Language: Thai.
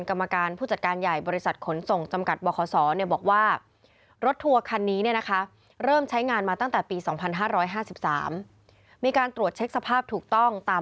กรรมการบริษัทลักษาการแทนกรรมการผู้จัดการใหญ่